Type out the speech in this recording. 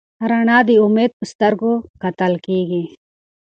رڼا ته د امید په سترګه کتل کېږي.